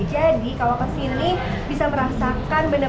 jadi kalau kesini bisa merasakan benar benar